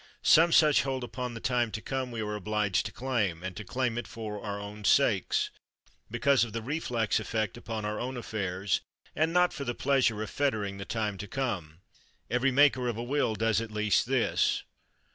Some such hold upon the time to come we are obliged to claim, and to claim it for our own sakes because of the reflex effect upon our own affairs, and not for the pleasure of fettering the time to come. Every maker of a will does at least this.